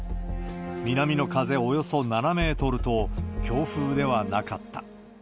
南の風およそ７メートルと、強風ではなかった。